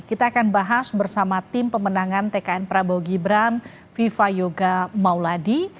kita akan bahas bersama tim pemenangan tkn prabowo gibran viva yoga mauladi